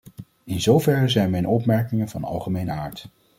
In zoverre zijn mijn opmerkingen van algemene aard.